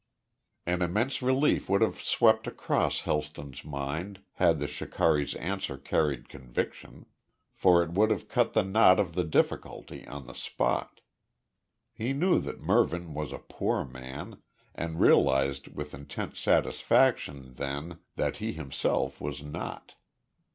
An immense relief would have swept across Helston's mind had the shikari's answer carried conviction. For it would have cut the knot of the difficulty on the spot. He knew that Mervyn was a poor man, and realised with intense satisfaction then that he himself was not.